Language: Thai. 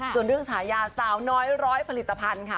ส่วนเรื่องฉายาสาวน้อยร้อยผลิตภัณฑ์ค่ะ